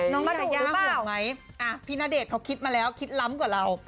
ยายาห่วงไหมพี่ณเดชนเขาคิดมาแล้วคิดล้ำกว่าเรา